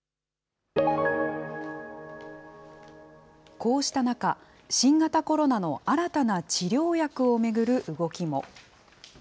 こうした中、新型コロナの新たな治療薬を巡る動きも。